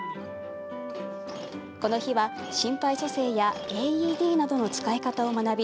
この日は、心肺蘇生やＡＥＤなどの使い方を学び